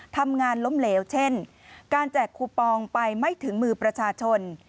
ล้มเหลวเช่นการแจกคูปองไปไม่ถึงมือประชาชน